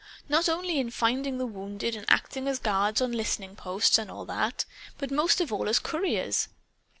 Not only in finding the wounded and acting as guards on listening posts, and all that, but most of all as couriers.